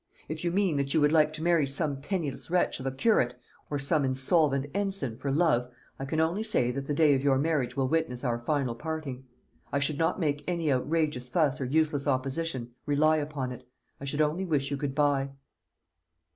If you mean that you would like to marry some penniless wretch of a curate, or some insolvent ensign, for love, I can only say that the day of your marriage will witness our final parting. I should not make any outrageous fuss or useless opposition, rely upon it. I should only wish you good bye."